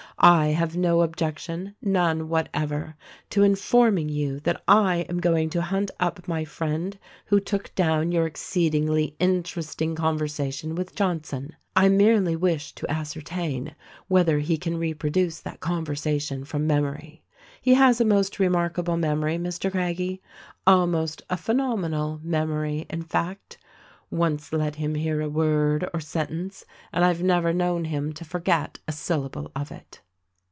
I have no objection — none whatever — to informing you that I am going to hunt up my friend who took down your exceedingly interesting conversation witli Johnson. I merely wish to ascertain whether he can reproduce that conversation from memory. He has a most remarkable memory, Mr. Craggie — almost a phenomenal memory, in fact. Once let him hear a word or THE RECORDING AXGEL 199 sentence, and I've never known him to forget a syllable of it."